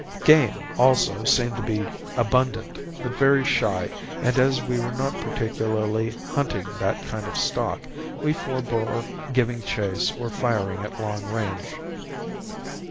Game, also, seemed to be abundant but very shy and as we were not particularly hunting that kind of stock, we forebore giving chase or firing at long range.